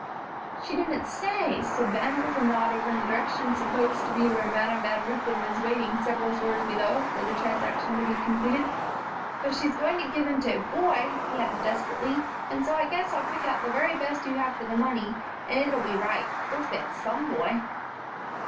"She didn't say," said Ben, with a nod over in the direction supposed to be where Madam Van Ruypen was waiting several floors below for the transaction to be completed. "But she's going to give them to a boy," he added desperately, "and so I guess I'll pick out the very best you have for the money, and it'll be right. They'll fit some boy."